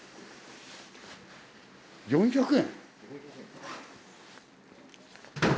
４００円？